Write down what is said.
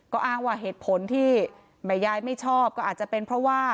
ก็อ้างว่าเหตุผลที่แม่ยายไม่ชอบก็อาจจะเป็นเพราะว่า